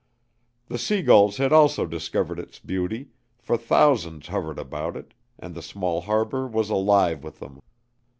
The seagulls had also discovered its beauty, for thousands hovered about it, and the small harbor was alive with them.